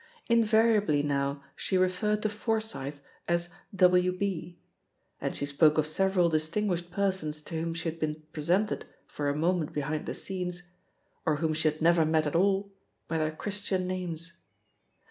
Invariably now she referred to Forsyth as X6S THE POSITION OF PEGGY HARFEB W. B.," and she spoke of several distinguished persons to whom she had been presented for a moment behind the scenes, or whom she had never met at all» by their Christian names.